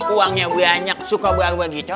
uangnya banyak suka buang buang gitu lah tuh